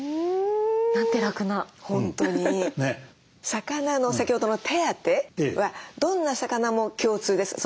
魚の先ほどの手当てはどんな魚も共通ですか？